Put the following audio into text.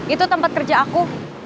itu tempat kerja aku